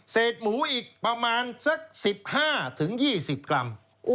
เศษหมูอีกประมาณซัก๑๕ถึง๒๐กรัม